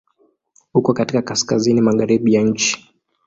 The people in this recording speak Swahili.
Uko katika Kaskazini magharibi ya nchi.